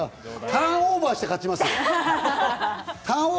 ターンオーバーして勝ちますよ。